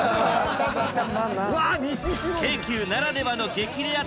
京急ならではの激レア体験や。